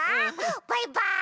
バイバーイ！